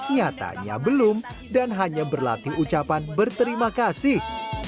nyatanya belum dan hanya berlatih ucapan berterima kasih